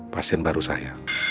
pasien baru saya